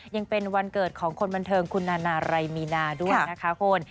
ยังเป็นวันเกิดของคนบันเทิงคุณนานาไรมีนาด้วยนะคะคุณ